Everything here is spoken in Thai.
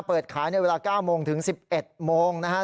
เปิดขายในเวลา๙โมงถึง๑๑โมงนะฮะ